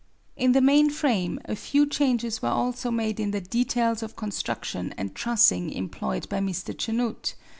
In the main frame a few changes were also made in the details of construction and trussing employed by Mr. Chanute.